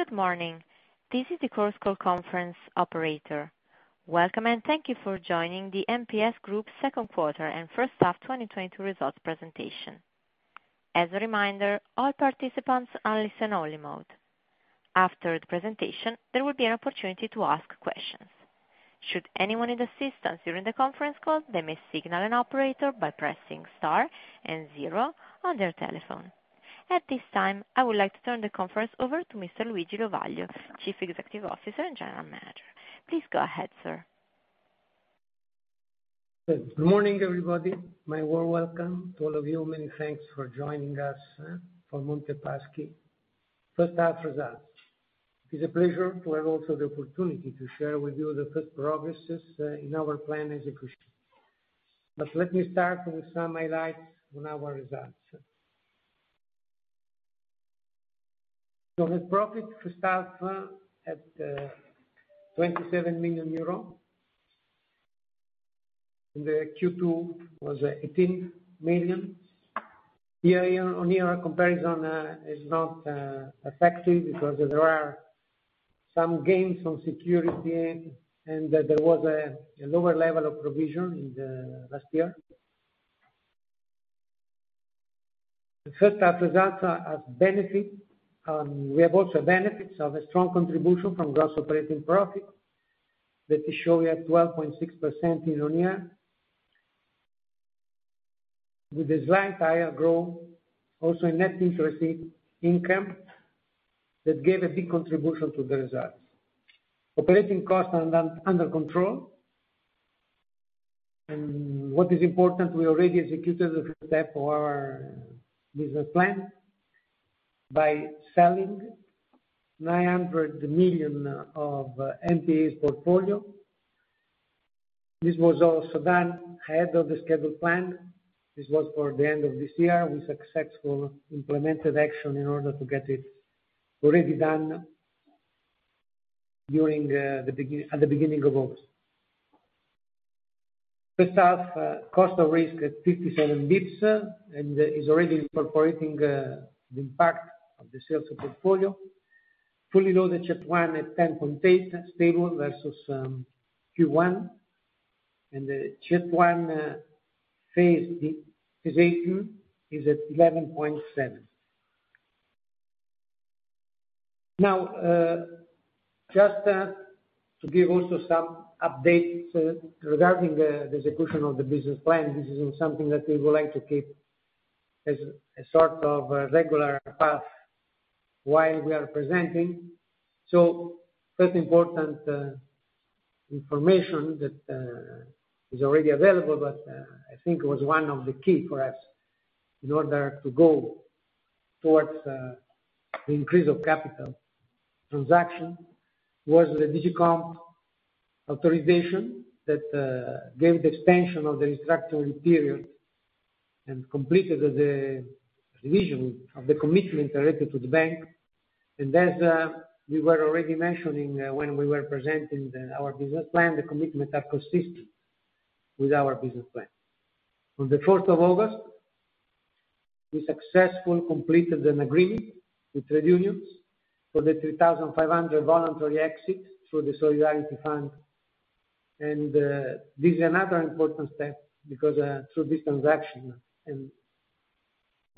Good morning. This is the Chorus Call conference operator. Welcome and thank you for joining the MPS Group second quarter and first half 2022 results presentation. As a reminder, all participants are in listen-only mode. After the presentation, there will be an opportunity to ask questions. Should anyone need assistance during the conference call, they may signal an operator by pressing star and zero on their telephone. At this time, I would like to turn the conference over to Mr. Luigi Lovaglio, Chief Executive Officer and General Manager. Please go ahead, sir. Good morning, everybody. My warm welcome to all of you. Many thanks for joining us for Monte dei Paschi first half results. It's a pleasure to have also the opportunity to share with you the good progresses in our plan execution. Let me start with some highlights on our results. The profit, to start, at 27 million euro. In Q2 was 18 million. Year-on-year comparison is not effective because there are some gains on security and there was a lower level of provision in the last year. The first half results are has benefit we have also benefits of a strong contribution from gross operating profit. Let me show you at 12.6% year-on-year. With a slight higher growth, also in net interest income, that gave a big contribution to the results. Operating costs ar e under control. What is important, we already executed the step for our business plan by selling 900 million of NPAs portfolio. This was also done ahead of the scheduled plan. This was for the end of this year. We successfully implemented action in order to get it already done at the beginning of August. First half cost of risk at 57 bps and is already incorporating the impact of the sales of portfolio. Fully loaded CET1 at 10.8, stable versus Q1. The CET1 phase 8 is at 11.7. Now just to give also some updates regarding the execution of the business plan. This isn't something that we would like to keep as a sort of a regular path while we are presenting. First important information that is already available, but I think was one of the key for us in order to go towards the increase of capital transaction, was the DG Comp authorization that gave the extension of the restructuring period and completed the revision of the commitment related to the bank. As we were already mentioning when we were presenting our business plan, the commitments are consistent with our business plan. On the 4th of August, we successfully completed an agreement with trade unions for the 3,500 voluntary exits through the Solidarity Fund. This is another important step because through this transaction, and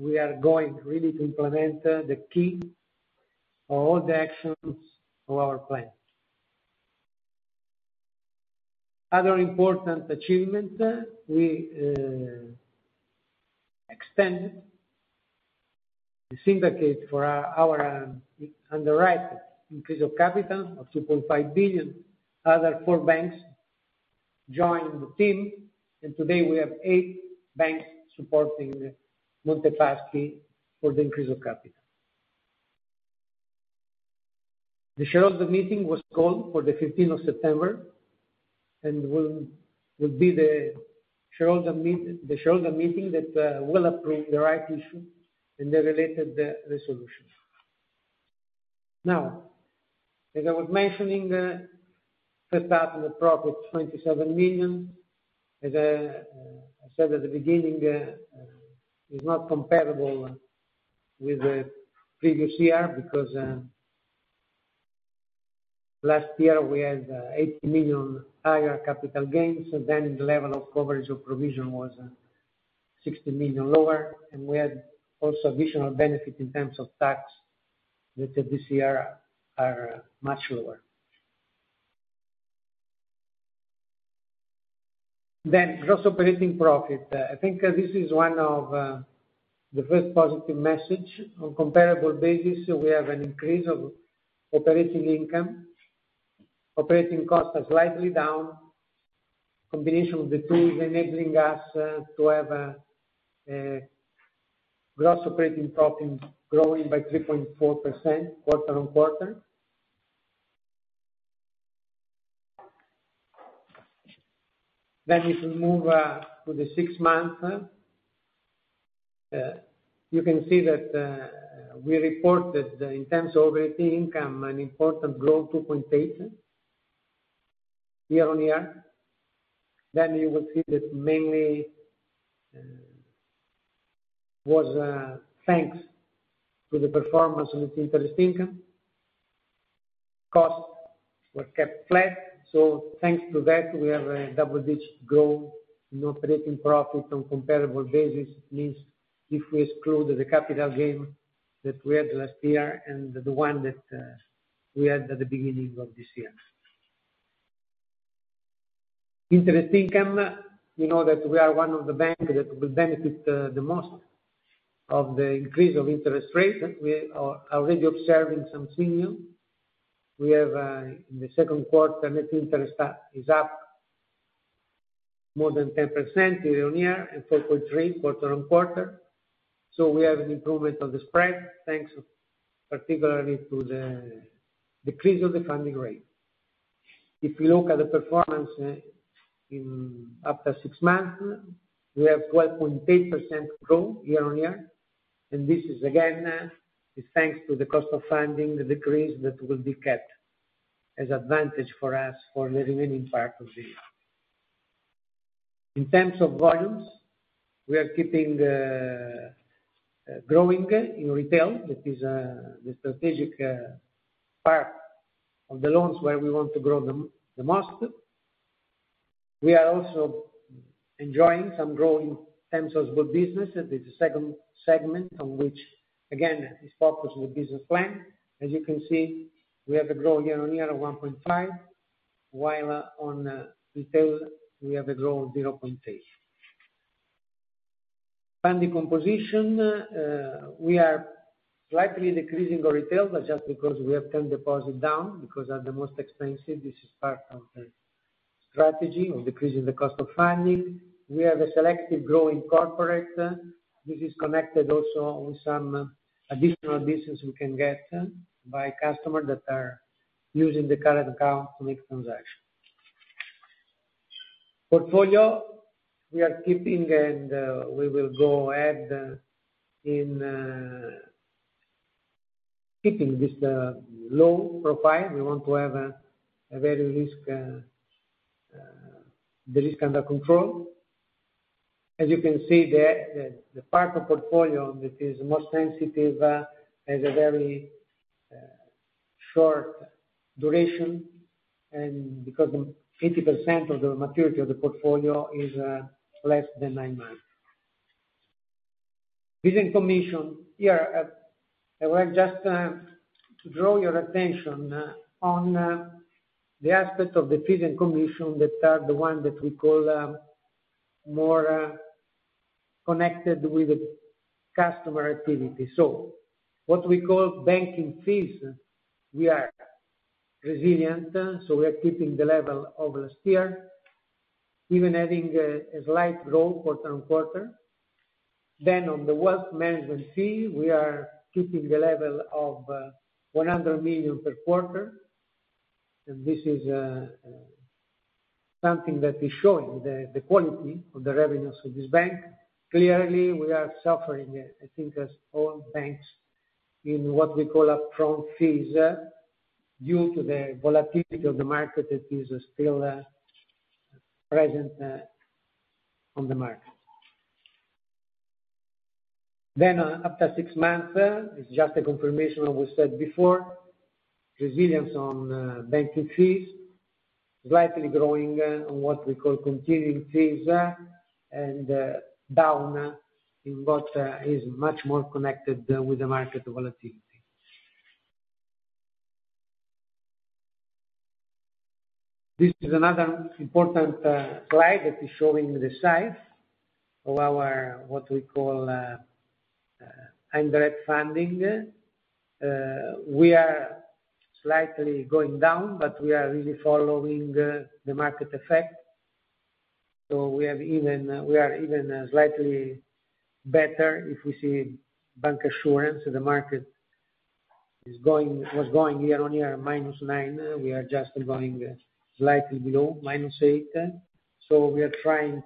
we are going really to implement the key of all the actions of our plan. Other important achievement, we extended the syndicate for our underwritten capital increase of 2.5 billion. Four other banks joined the team, and today we have eight banks supporting Monte dei Paschi for the capital increase. The shareholder meeting was called for the 15th of September, and will be the shareholder meeting that will approve the rights issue and the related resolutions. Now, as I was mentioning, first half profit, 27 million, as I said at the beginning, is not comparable with the previous year because last year we had 80 million higher capital gains, and then the level of coverage of provision was 60 million lower. We had also additional benefit in terms of tax that this year are much lower. Gross operating profit. I think this is one of the first positive message. On comparable basis, we have an increase of operating income. Operating costs are slightly down. Combination of the two is enabling us to have gross operating profit growing by 3.4% quarter-on-quarter. If we move to the six month, you can see that we reported in terms of operating income, an important growth, 2.8% year-on-year. You will see that mainly was thanks to the performance of the interest income. Costs were kept flat. Thanks to that, we have a double-digit growth in operating profit on comparable basis, means if we exclude the capital gain that we had last year and the one that we had at the beginning of this year. Interest income, you know that we are one of the banks that will benefit the most of the increase of interest rates. We are already observing some signal. We have, in the second quarter, net interest is up more than 10% year-over-year and 4.3% quarter-over-quarter. We have an improvement of the spread, thanks particularly to the decrease of the funding rate. If you look at the performance, in after six months, we have 12.8% growth year-over-year, and this is again is thanks to the cost of funding, the decrease that will be kept as advantage for us for the remaining part of the year. In terms of volumes, we are keeping the growing in retail. That is the strategic part of the loans where we want to grow the most. We are also enjoying some growth in terms of good business. That is the second segment on which again is focused on the business plan. As you can see, we have a growth year-over-year of 1.5%, while on retail, we have a growth of 0.8%. Funding composition, we are slightly decreasing our retail, but just because we have term deposit down, because they are the most expensive. This is part of the strategy of decreasing the cost of funding. We have a selective growing corporate. This is connected also with some additional business we can get by customers that are using the current account to make transactions. Portfolio, we are keeping and we will go ahead in keeping this low profile. We want to have the risk under control. As you can see there, the part of portfolio that is most sensitive has a very short duration, and because 50% of the maturity of the portfolio is less than nine months. Fees and commission, here, I want just draw your attention on the aspects of the fees and commission that are the one that we call more connected with the customer activity. What we call banking fees, we are resilient, so we are keeping the level of last year, even adding a slight growth quarter-on-quarter. On the wealth management fee, we are keeping the level of 100 million per quarter. This is something that is showing the quality of the revenues of this bank. Clearly, we are suffering, I think, as all banks in what we call upfront fees, due to the volatility of the market that is still present on the market. After 6 months, it's just a confirmation of what we said before, resilience on banking fees, slightly growing on what we call continuing fees, and down in what is much more connected with the market volatility. This is another important slide that is showing the size of our what we call indirect funding. We are slightly going down, but we are really following the market effect. We are even slightly better if we see bancassurance. The market was going year-on-year -9%. We are just going slightly below, -8%. We are trying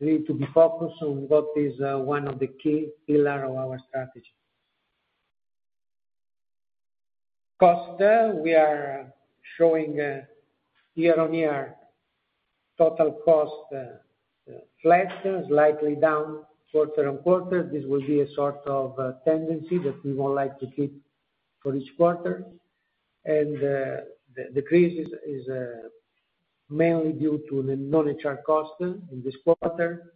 really to be focused on what is one of the key pillar of our strategy. Cost, we are showing year-on-year total cost flat, slightly down quarter-on-quarter. This will be a sort of tendency that we would like to keep for each quarter. The decrease is mainly due to the non-HR costs in this quarter.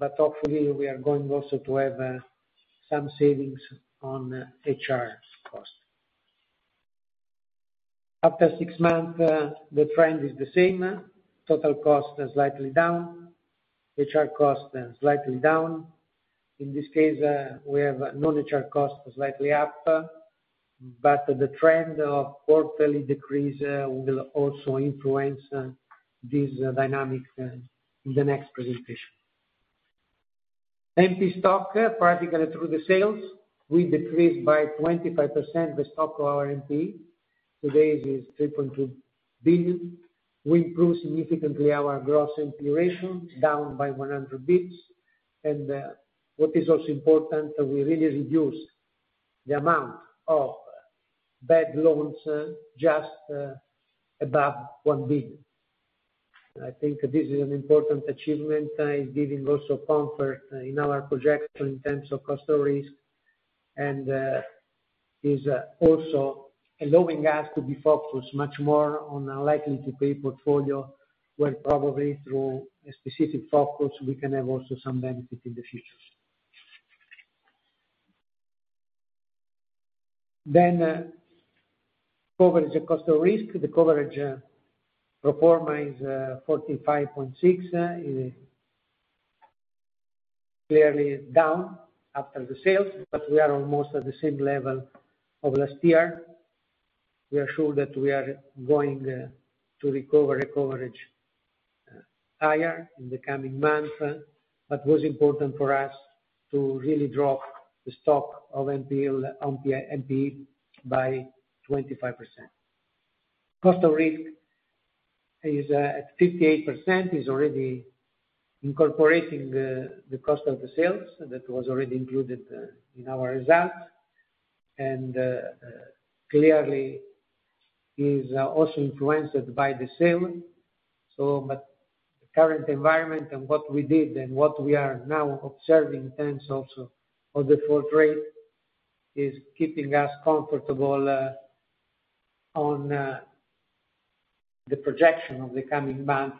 Hopefully, we are going also to have some savings on HR costs. After six months, the trend is the same. Total cost is slightly down. HR costs are slightly down. In this case, we have non-HR costs slightly up, but the trend of quarterly decrease will also influence these dynamics in the next presentation. NP stock, particularly through the sales, we decreased by 25% the stock of our NP. Today, it is 3.2 billion. We improved significantly our gross NPL ratio, down by 100 bps. What is also important is that we really reduced the amount of bad loans just above 1 billion. I think this is an important achievement, giving also comfort in our projection in terms of cost of risk, and is also allowing us to be focused much more on a likely to pay portfolio, where probably through a specific focus we can have also some benefit in the future. Coverage across the risk. The coverage ratio is 45.6. It is clearly down after the sales, but we are almost at the same level of last year. We are sure that we are going to recover higher in the coming months, but it was important for us to really drop the stock of NPL, NPAs, NPE by 25%. Cost of risk is at 58%, is already incorporating the cost of the sales that was already included in our results, and clearly is also influenced by the sale. But the current environment and what we did and what we are now observing in terms also of the default rate is keeping us comfortable on the projection of the coming months,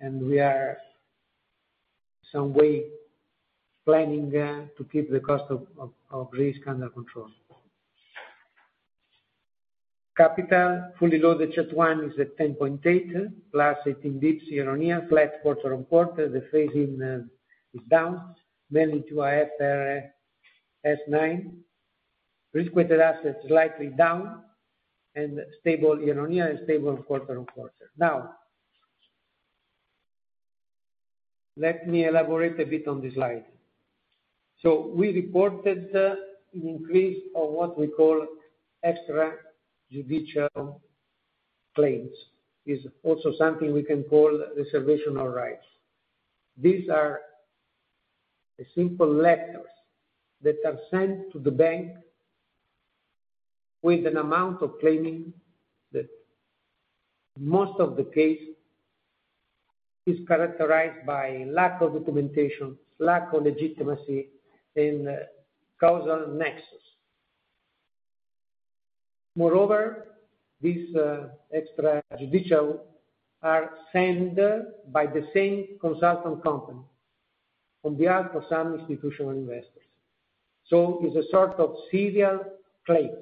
and we are somehow planning to keep the cost of risk under control. Capital fully loaded CET1 is at 10.8, plus 18 bps year-on-year, flat quarter-over-quarter. The phasing is down, mainly to IFRS 9. Risk-weighted assets slightly down and stable year-over-year and stable quarter-over-quarter. Now, let me elaborate a bit on this slide. We reported an increase of what we call extrajudicial claims, is also something we can call reservation of rights. These are the simple letters that are sent to the bank with an amount of claiming that most of the case is characterized by lack of documentation, lack of legitimacy, and causal nexus. Moreover, these extrajudicial are sent by the same consultant company on behalf of some institutional investors. It's a sort of serial claims.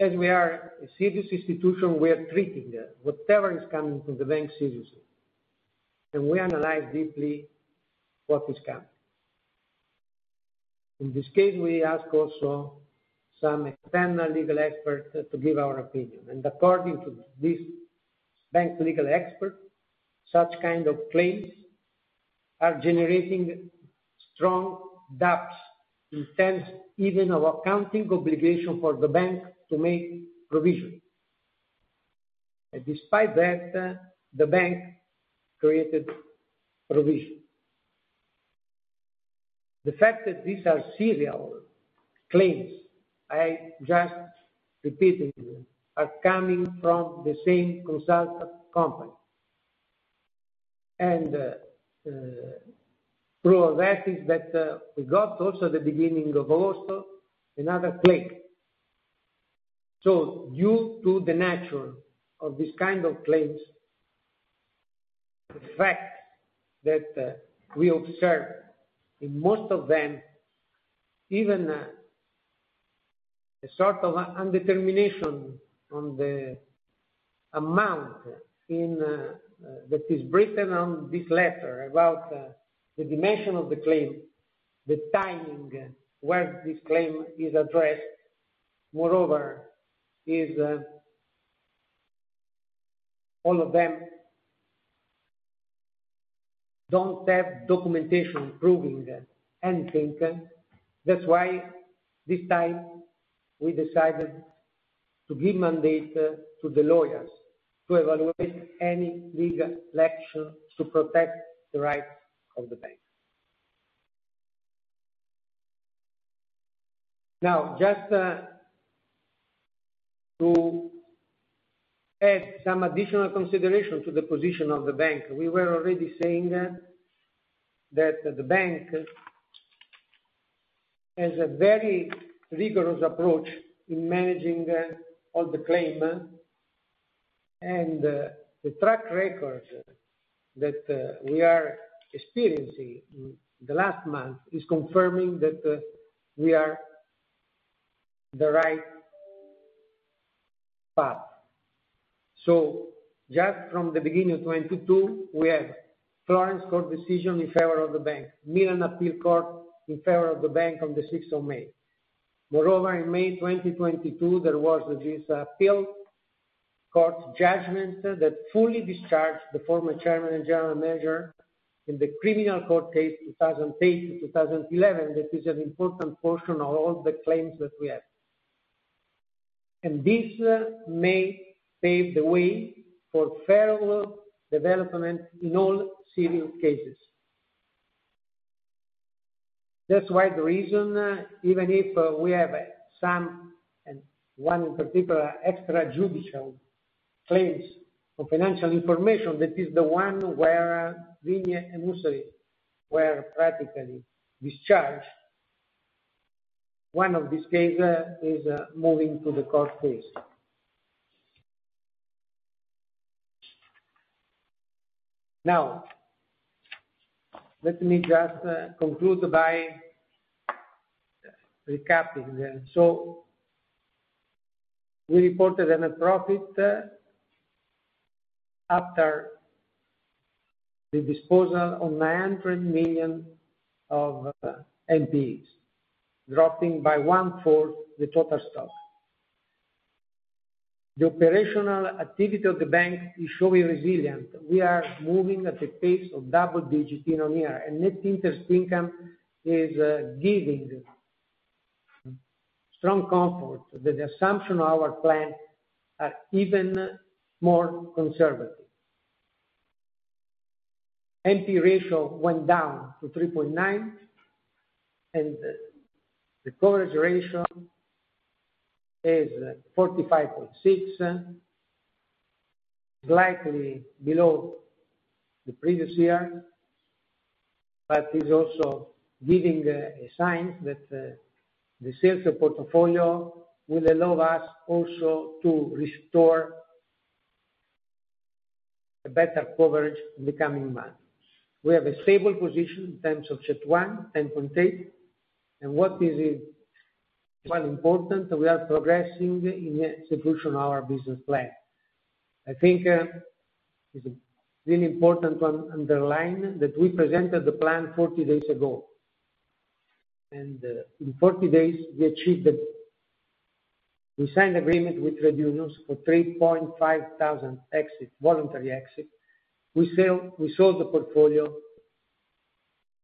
As we are a serious institution, we are treating that. Whatever is coming from the bank seriously, and we analyze deeply what is coming. In this case, we ask also some external legal experts to give our opinion, and according to this bank legal expert, such kind of claims are generating strong doubts in terms even of accounting obligation for the bank to make provision. Despite that, the bank created provision. The fact that these are serial claims, I just repeated to you, are coming from the same consultant company. We got also the beginning of August another claim. Due to the nature of this kind of claims, the fact that we observe in most of them even a sort of indetermination on the amount in that is written on this letter about the dimension of the claim, the timing when this claim is addressed. Moreover, all of them don't have documentation proving anything. That's why this time we decided to give mandate to the lawyers to evaluate any legal action to protect the rights of the bank. Now, just to add some additional consideration to the position of the bank, we were already saying that the bank has a very rigorous approach in managing all the claims. The track record that we are experiencing in the last month is confirming that we are on the right path. Just from the beginning of 2022, we have Florence court decision in favor of the bank, Milan appeal court in favor of the bank on the 6th of May. Moreover, in May 2022, there was this appeal court judgment that fully discharged the former chairman and general manager in the criminal court case 2008 to 2011. That is an important portion of all the claims that we have. This may pave the way for fairer development in all civil cases. That's why the reason, even if we have some, and one in particular, extrajudicial claims for financial information, that is the one where Vigni and Mussari were practically discharged. One of these case is moving to the court phase. Now, let me just conclude by recapping. We reported a net profit after the disposal of 900 million of NPEs, dropping by 1/4 the total stock. The operational activity of the bank is showing resilience. We are moving at a pace of double-digit in a year, and net interest income is giving strong comfort that the assumption of our plan are even more conservative. NPE ratio went down to 3.9, and the coverage ratio is 45.6, slightly below the previous year, but is also giving a sign that the sales portfolio will allow us also to restore a better coverage in the coming months. We have a stable position in terms of CET1, 10.8. What is also important, we are progressing in the execution of our business plan. I think it's really important to underline that we presented the plan 40 days ago, and in 40 days we achieved it. We signed agreement with unions for 3,500 voluntary exit. We sold the portfolio.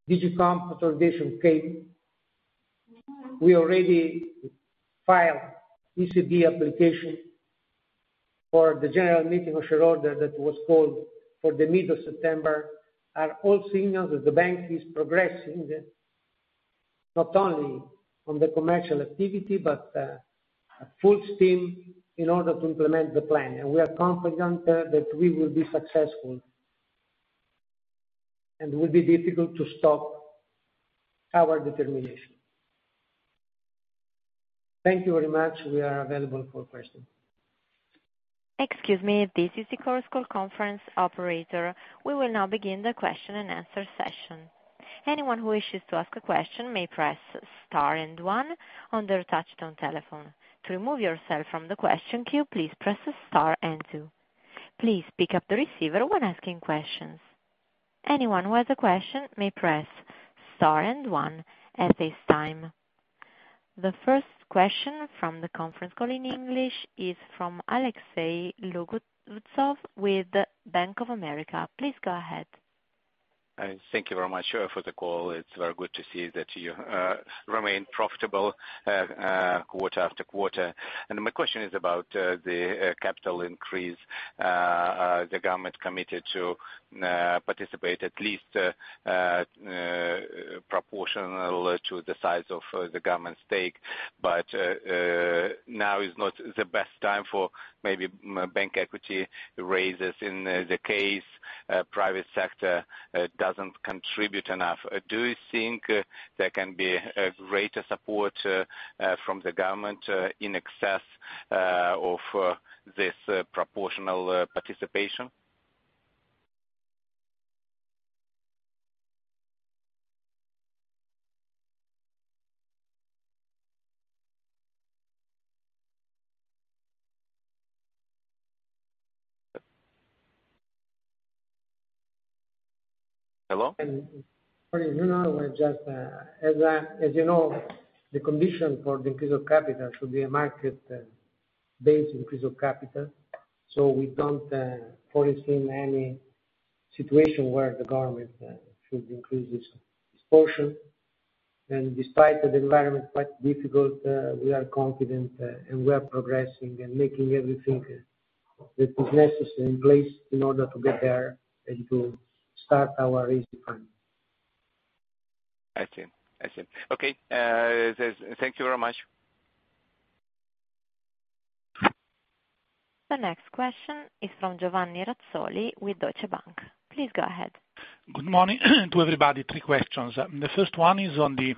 DG Comp authorization came. We already filed ECB application for the general meeting of shareholders that was called for the mid of September. Are all signals that the bank is progressing, not only on the commercial activity, but full steam in order to implement the plan. We are confident that we will be successful, and will be difficult to stop our determination. Thank you very much. We are available for questions. Excuse me, this is the Chorus Call conference operator. We will now begin the question-and-answer session. Anyone who wishes to ask a question may press star and one on their touch-tone telephone. To remove yourself from the question queue, please press star and two. Please pick up the receiver when asking questions. Anyone who has a question may press star and one at this time. The first question from the conference call in English is from Alexey Gogolev with Bank of America. Please go ahead. Thank you very much for the call. It's very good to see that you remain profitable quarter-after-quarter. My question is about the capital increase the government committed to participate at least proportional to the size of the government stake. Now is not the best time for maybe the bank's equity raises in case private sector doesn't contribute enough. Do you think there can be a greater support from the government in excess of this proportional participation? Hello? You know, just as you know, the condition for the increase of capital should be a market-based increase of capital. We don't foresee any situation where the government should increase its portion. Despite that the environment quite difficult, we are confident, and we are progressing and making everything that is necessary in place in order to get there and to start our easy plan. I see. Okay. Says thank you very much. The next question is from Giovanni Razzoli with Deutsche Bank. Please go ahead. Good morning to everybody. Three questions. The first one is on the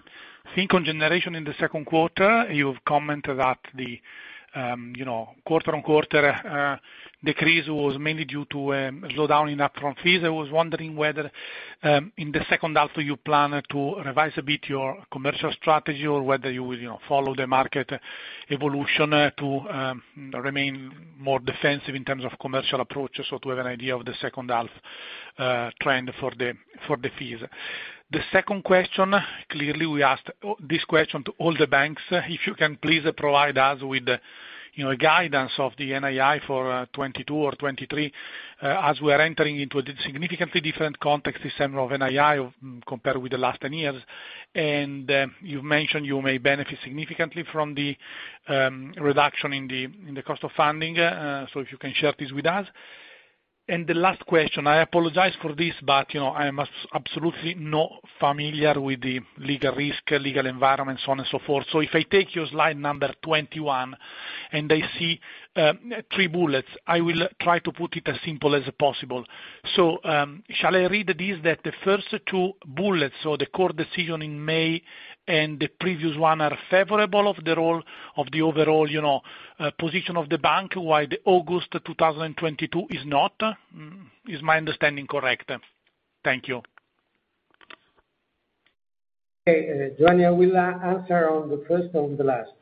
fee generation in the second quarter. You've commented that the, you know, quarter-on-quarter decrease was mainly due to a slowdown in upfront fees. I was wondering whether in the second half, do you plan to revise a bit your commercial strategy or whether you will, you know, follow the market evolution to remain more defensive in terms of commercial approach or so to have an idea of the second half trend for the fees. The second question, clearly we asked this question to all the banks. If you can please provide us with, you know, guidance of the NII for 2022 or 2023 as we're entering into a significantly different context this year of NII compared with the last 10 years. You've mentioned you may benefit significantly from the reduction in the cost of funding, so if you can share this with us. The last question, I apologize for this, but, you know, I'm absolutely not familiar with the legal risk, legal environment, so on and so forth. So if I take your slide number 21, and I see three bullets, I will try to put it as simple as possible. So, shall I read it, is that the first two bullets or the court decision in May and the previous one are favorable of the role of the overall, you know, position of the bank, while the August 2022 is not? Is my understanding correct? Thank you. Okay, Giovanni, I will answer on the first and the last.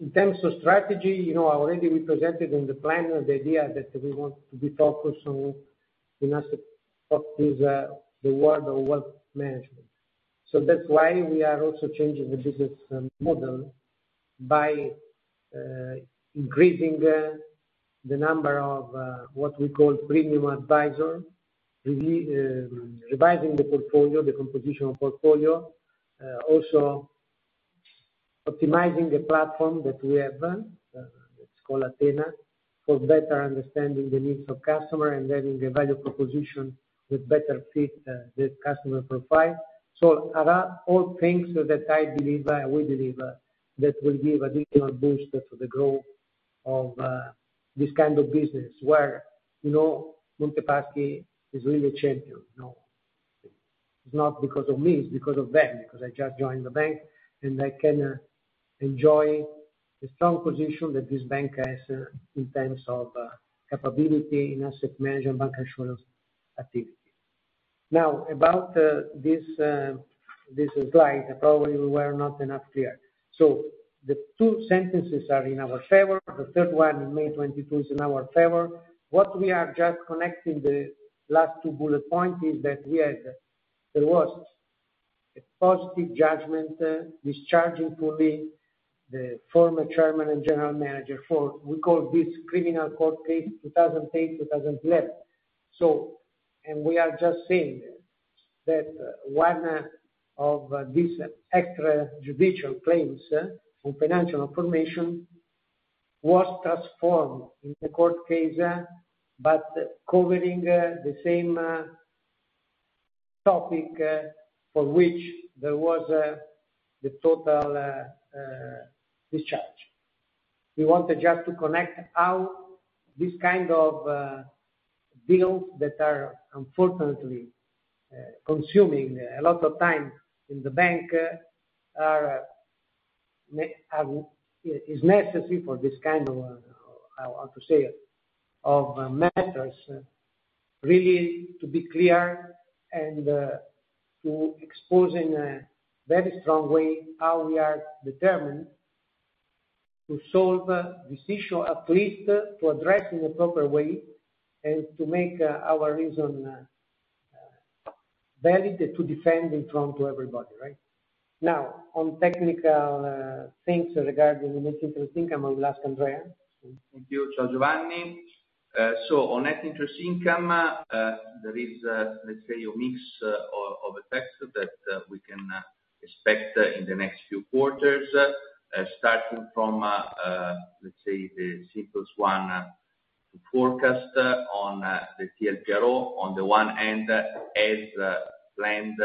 In terms of strategy, you know, already we presented in the plan the idea that we want to be focused on the asset of this, the world of wealth management. That's why we are also changing the business model by increasing the number of what we call Premium Advisor, revising the portfolio, the composition of portfolio, also optimizing the platform that we have, it's called Athena, for better understanding the needs of customer and having a value proposition that better fit the customer profile. Are all things that I believe, we believe, that will give additional boost to the growth of this kind of business where, you know, Monte dei Paschi is really a champion. You know, it's not because of me, it's because of them, because I just joined the bank, and I can enjoy the strong position that this bank has in terms of capability in asset management, bancassurance activity. Now, about this slide, probably we were not clear enough. The two sentences are in our favor. The third one in May 2022 is in our favor. What we are just connecting the last two bullet points is that we had. There was a positive judgment discharging totally the former chairman and general manager for what we call this criminal court case, 2008, 2011. We are just saying that one of these extrajudicial claims on financial information was transformed into a judicial case, but covering the same topic for which there was the total discharge. We wanted just to connect how this kind of bills that are unfortunately consuming a lot of time in the bank. It is necessary for this kind of, how to say it, of matters, really, to be clear and to expose in a very strong way how we are determined to solve this issue, at least to address in a proper way and to make our reason valid to defend in front of everybody, right? Now, on technical things regarding net interest income, I will ask Andrea. Thank you. Ciao, Giovanni. On net interest income, there is, let's say, a mix of effects that we can expect in the next few quarters, starting from, let's say, the simplest one to forecast, on the TLTRO. On the one hand, as planned,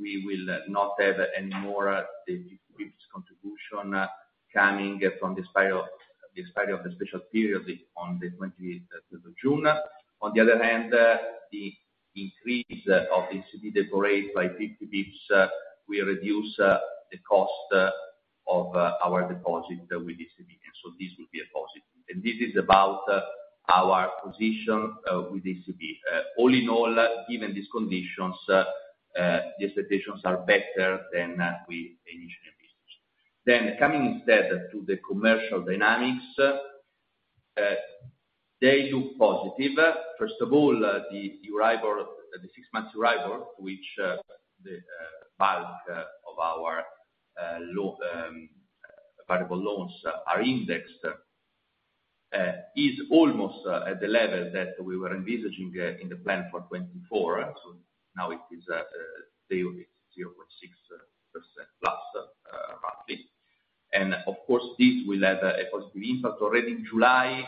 we will not have any more the fixed contribution coming from the spiral of the special period on the 28 of June. On the other hand, the increase of the ECB deposit rate by 50 basis points will reduce the cost of our deposit with ECB, and so this will be a positive. This is about our position with ECB. All in all, given these conditions, the expectations are better than we initially anticipated. Coming instead to the commercial dynamics, they look positive. First of all, the Euribor, the six-month Euribor, which the bulk of our variable loans are indexed, is almost at the level that we were envisaging in the plan for 2024. Now it is daily 0.6%+, roughly. Of course, this will have a positive impact. Already in July,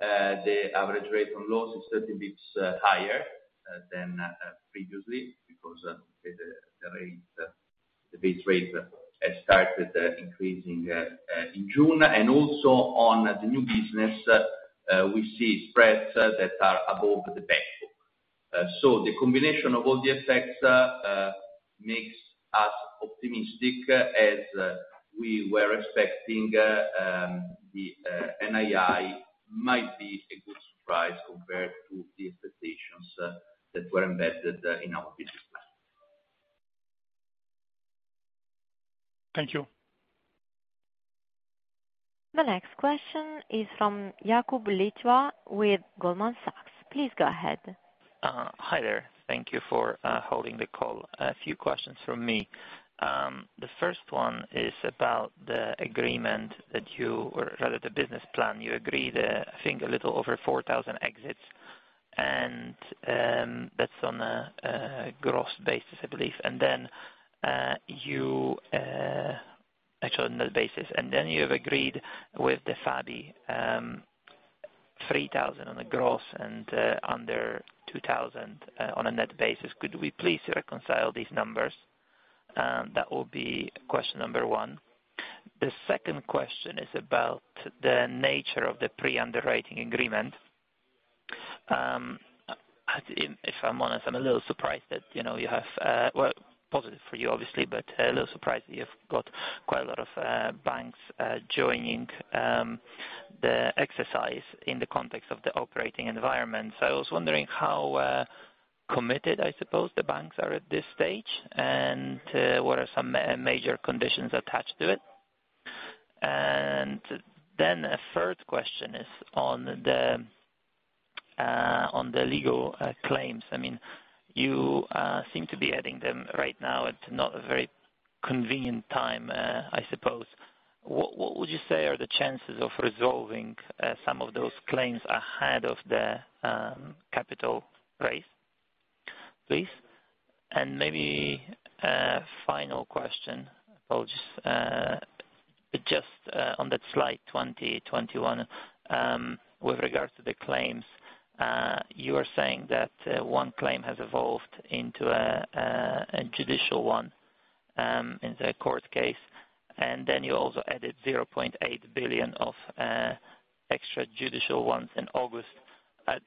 the average rate on loans is 30 bps higher than previously because the rate, the base rate has started increasing in June. Also on the new business, we see spreads that are above the benchmark. The combination of all the effects makes us optimistic as we were expecting the NII might be a good surprise compared to the expectations that were embedded in our business plan. Thank you. The next question is from Jakub Lichwa with Goldman Sachs. Please go ahead. Hi there. Thank you for holding the call. A few questions from me. The first one is about the agreement or rather the business plan you agreed, I think a little over 4,000 exits. That's on a gross basis, I believe. Actually, on net basis, you have agreed with the FABI 3,000 on the gross and under 2,000 on a net basis. Could we please reconcile these numbers? That will be question number one. The second question is about the nature of the pre-underwriting agreement. If I'm honest, I'm a little surprised that, you know, you have... Well, positive for you obviously, but a little surprised that you've got quite a lot of banks joining the exercise in the context of the operating environment. I was wondering how committed, I suppose, the banks are at this stage, and what are some major conditions attached to it? Then a third question is on the legal claims. I mean, you seem to be adding them right now at not a very convenient time, I suppose. What would you say are the chances of resolving some of those claims ahead of the capital raise, please? Maybe a final question, I'll just on that slide 20, 21 with regards to the claims. You are saying that one claim has evolved into a judicial one in the court case, and then you also added 0.8 billion of extra-judicial ones in August. I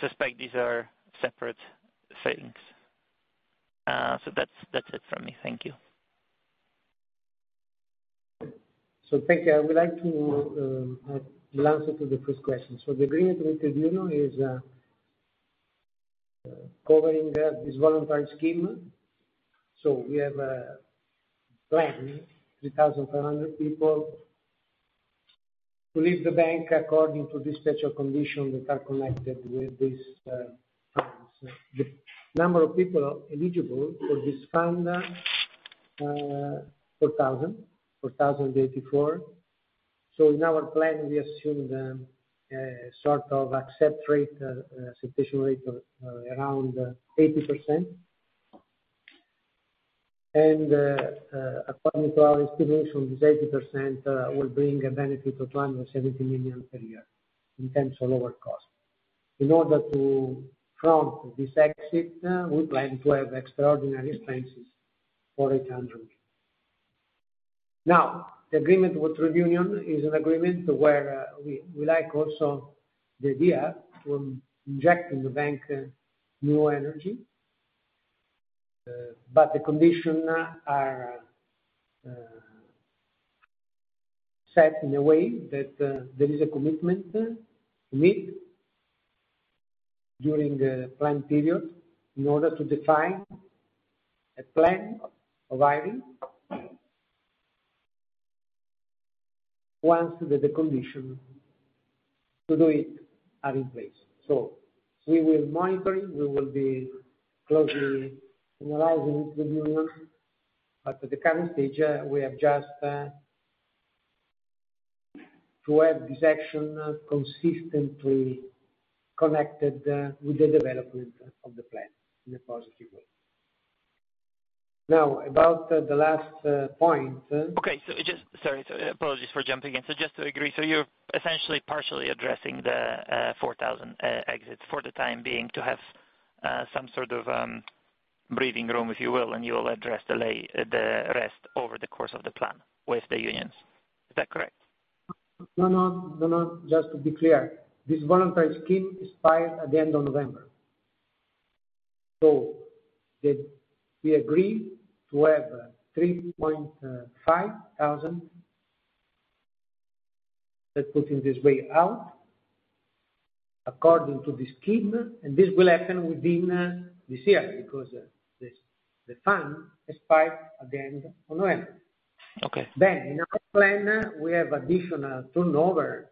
suspect these are separate things. That's it from me. Thank you. Thank you. I would like to answer to the first question. The agreement with the union is covering this voluntary scheme. We have a plan, 3,500 people to leave the bank according to the special conditions that are connected with this plan. The number of people eligible for this fund, 4,084. In our plan we assumed sort of acceptance rate, substitution rate of around 80%. According to our estimation, this 80% will bring a benefit of 270 million per year in terms of lower costs. In order to promote this exit, we plan to have extraordinary expenses for 800 million. Now, the agreement with the union is an agreement where we like also the idea of injecting the bank new energy. But the conditions are set in a way that there is a commitment to meet during the plan period in order to define a plan of hiring once the conditions to do it are in place. We will monitor it, we will be closely analyzing with the union, but at the current stage, we have just to have this action consistently connected with the development of the plan in a positive way. Now, about the last point. Okay. Just... Sorry, apologies for jumping in. Just to agree, you're essentially partially addressing the 4,000 exits for the time being, to have some sort of breathing room, if you will, and you will address the rest over the course of the plan with the unions. Is that correct? No, no. Just to be clear, this voluntary scheme expires at the end of November. We agree to have 3,500 that, putting it this way, out according to this scheme, and this will happen within this year because the fund expires at the end of November. Okay. In our plan, we have additional turnover,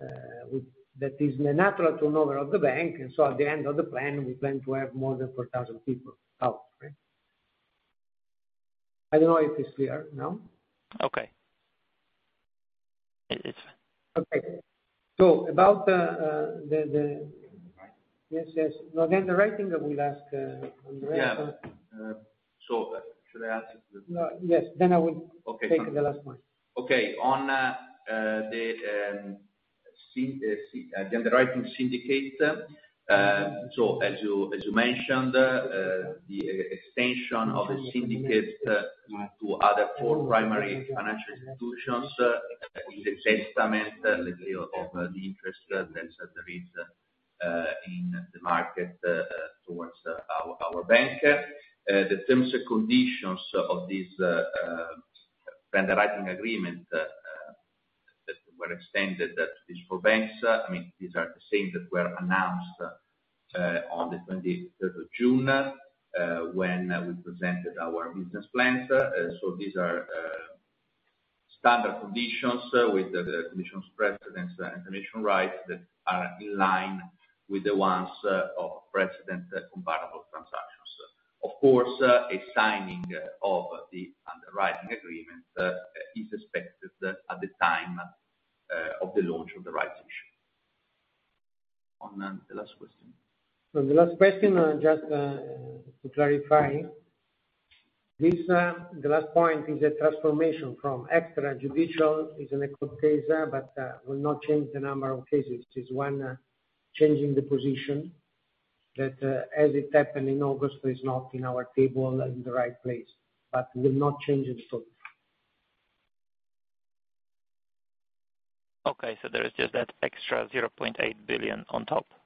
that is the natural turnover of the bank. At the end of the plan, we plan to have more than 4,000 people out. Right. I don't know if it's clear, no? Okay. Okay. About the. Underwriting. Yes. No, the right thing I will ask, Andrea. Yeah. Should I answer? No. Yes. Okay. Take the last one. Okay. On the underwriting syndicate, again, as you mentioned, the extension of the syndicate to other four primary financial institutions is a testament literally of the interest that there is in the market towards our bank. The terms and conditions of this underwriting agreement that were extended to these four banks, I mean, these are the same that were announced on the 23rd of June when we presented our business plans. So these are standard conditions with the conditions precedent and information rights that are in line with the ones of previous comparable transactions. Of course, a signing of the underwriting agreement is expected at the time of the launch of the rights issue. On the last question. The last question, just to clarify, this, the last point is a transformation from extrajudicial to judicial, but will not change the number of cases. It is one, changing the position that, as it happened in August, is not in our table in the right place, but will not change it at all. Okay. There is just that extra 0.8 billion on top? Great.